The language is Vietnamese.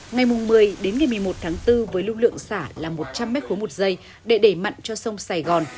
ngày một mươi đến ngày một mươi một tháng bốn với lưu lượng xả là một trăm linh m ba một giây để đẩy mặn cho sông sài gòn